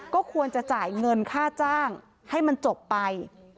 ก็ควรจะจ่ายเงินค่าจ้างให้มันจบไป